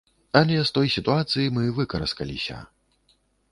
Але з той сітуацыі мы выкараскаліся.